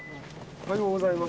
おはようございます。